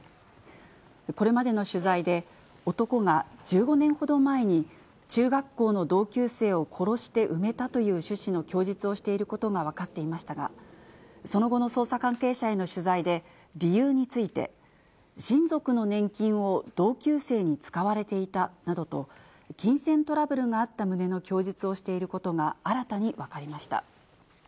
これまでの取材で、男が１５年ほど前に、中学校の同級生を殺して埋めたという趣旨の供述をしていることが分かっていましたが、その後の捜査関係者への取材で、理由について、親族の年金を同級生に使われていたなどと、金銭トラブルがあった旨の供述をしていることが新たに分かりました。